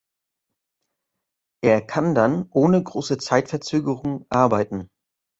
Er kann dann ohne große Zeitverzögerung arbeiten.